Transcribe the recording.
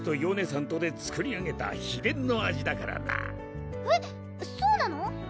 さんとで作り上げた秘伝の味だからなえっそうなの？